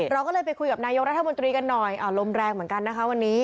เราก็เลยไปคุยกับนายกรัฐมนตรีกันหน่อยลมแรงเหมือนกันนะคะวันนี้